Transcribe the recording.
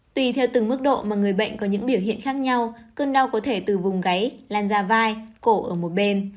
tùy theo từng mức độ mà người bệnh có những biểu hiện khác nhau cơn đau có thể từ vùng gáy lan ra vai cổ ở một bên